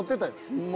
ホンマ？